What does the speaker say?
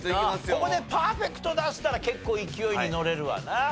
ここでパーフェクト出したら結構勢いにのれるわな。